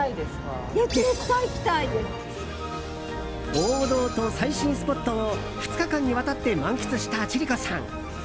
王道と最新スポットを２日間にわたって満喫した千里子さん。